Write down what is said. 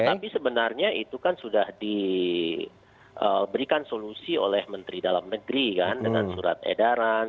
tapi sebenarnya itu kan sudah diberikan solusi oleh menteri dalam negeri kan dengan surat edaran